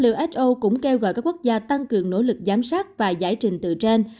who cũng kêu gọi các quốc gia tăng cường nỗ lực giám sát và giải trình từ trên